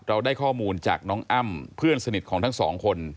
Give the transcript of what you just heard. เราได้ข้อมูลจากน้องอ้ำเพื่อนสนิทของทั้งสองคน